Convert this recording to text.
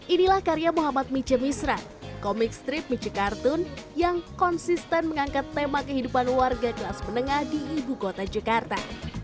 inilah karya muhammad mice misran komik strip mice kartun yang konsisten mengangkat tema kehidupan warga kelas menengah di ibu kota jakarta